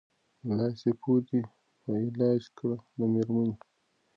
لاس یې پوري په علاج کړ د مېرمني